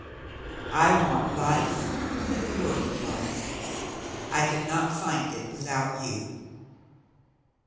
"I want life and the work of life. I can not find it without you."